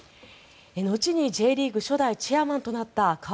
後にＪリーグ初代チェアマンとなった川淵